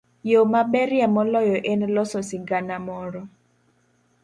Yo maberie moloyo en loso sigana moro.